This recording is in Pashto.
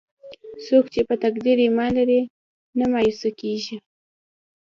څوک چې په تقدیر ایمان لري، نه مایوسه کېږي.